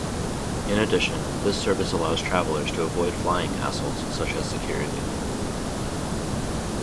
In addition, this service allows travelers to avoid flying hassles such as security.